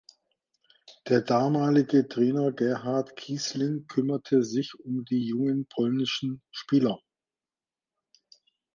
Der damalige Trainer Gerhard Kießling kümmerte sich um die jungen polnischen Spieler.